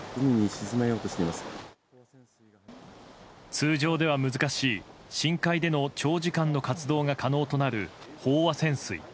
通常では難しい、深海での長時間の活動が可能となる飽和潜水。